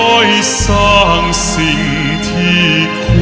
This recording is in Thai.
ไม่เร่รวนภาวะผวังคิดกังคัน